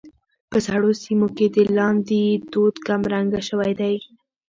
په سړو سيمو کې د لاندي دود کمرنګه شوى دى.